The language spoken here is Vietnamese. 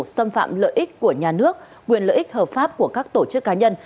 xâm phạm lợi ích của nhà nước quyền lợi ích hợp pháp của các tổ chức cá nhân